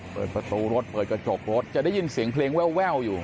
เปิดประตูรถเปิดกระจกรถจะได้ยินเสียงเพลงแววอยู่